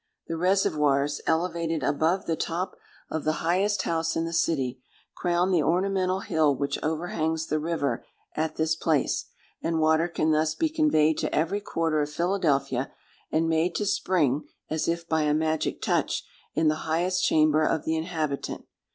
The reservoirs, elevated above the top of the highest house in the city, crown the ornamental hill which overhangs the river at this place; and water can thus be conveyed to every quarter of Philadelphia, and made to spring, as if by a magic touch, in the highest chamber of the inhabitant.